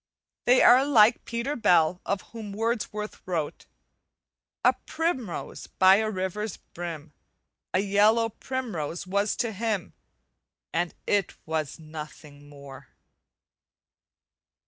They are like Peter Bell of whom Wordsworth wrote: "A primrose by a river's brim A yellow primrose was to him, And it was nothing more."